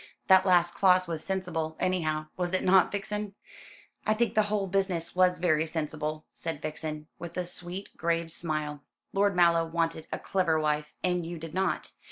"That last clause was sensible, anyhow, was it not, Vixen?" "I think the whole business was very sensible," said Vixen, with a sweet grave smile; "Lord Mallow wanted a clever wife and you did not.